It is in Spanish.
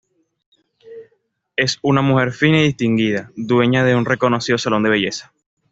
Es una mujer fina y distinguida, dueña de un reconocido salón de belleza.